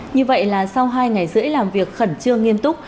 như vậy là sau hai ngày rưỡi làm việc khẩn trương nghiêm túc